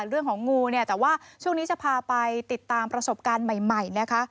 เรื่องของงูแต่ว่าช่วงนี้จะพาไปติดตามประสบการณ์ใหม่นะคะ